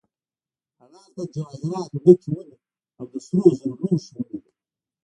هغه هلته د جواهراتو ډکې ونې او د سرو زرو لوښي ولیدل.